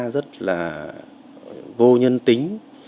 rất là vô nhân tính